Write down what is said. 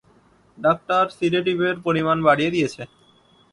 Doctor সিডেটিভের পরিমাণ বাড়িয়ে দিয়েছে।